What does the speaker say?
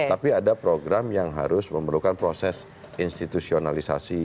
tapi ada program yang harus memerlukan proses institusionalisasi